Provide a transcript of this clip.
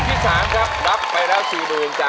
เพลงที่๓ครับรับไปแล้ว๔มือ